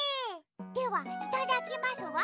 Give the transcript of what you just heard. ではいただきますわ。